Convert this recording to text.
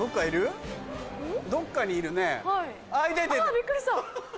あびっくりした！